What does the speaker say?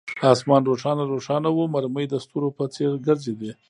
آسمان روښانه روښانه وو، مرمۍ د ستورو په څیر ګرځېدې.